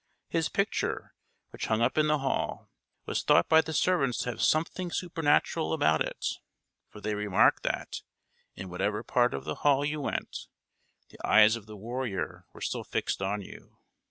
His picture, which hung up in the hall, was thought by the servants to have something supernatural about it; for they remarked that, in whatever part of the hall you went, the eyes of the warrior were still fixed on you.